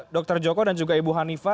dr joko dan juga ibu hanifa